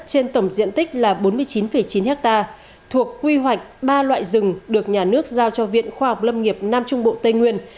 trên tổng diện tích là bốn mươi chín chín ha thuộc quy hoạch ba loại rừng được nhà nước giao cho viện khoa học lâm nghiệp nam trung bộ tây nguyên